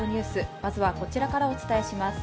まずはこちらからお伝えします。